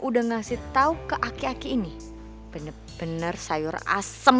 udah ngasih tau ke aki aki ini bener bener sayur asem